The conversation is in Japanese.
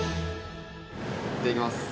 いただきます。